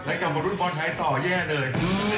กลับมารุ่นบอลไทยต่อแย่เลย